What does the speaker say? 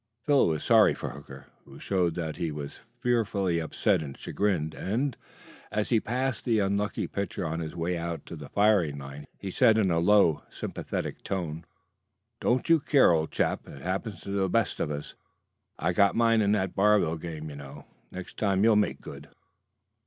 Phil was sorry for Hooker, who showed that he was fearfully upset and chagrined, and, as he passed the unlucky pitcher on his way out to the firing line, he said in a low, sympathetic tone: "Don't you care, old ch chap. It happens to the best of us; I got mine in that Barville game, you know. Next time you'll make good."